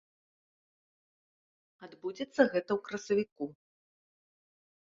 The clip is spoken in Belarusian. Адбудзецца гэта ў красавіку.